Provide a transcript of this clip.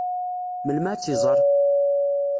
Melmi ad tt-iẓeṛ?